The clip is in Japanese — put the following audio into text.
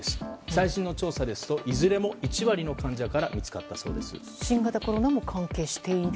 最新の調査ですといずれも１割の患者から新型コロナも関係している？